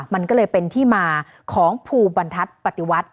มันก็เลยเป็นที่มาของภูบรรทัศน์ปฏิวัติ